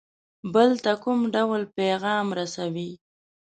بل ته کوم ډول پیغام رسوي.